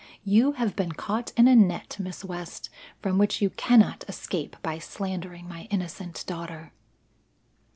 You have been caught in a net, Miss West, from which you cannot escape by slandering my innocent daughter."